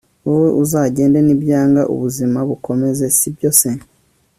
wowe uzagende nibyanga ubuzima bukomeze, sibyo se